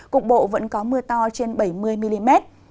cục bộ vẫn có mưa to trên bảy mươi mm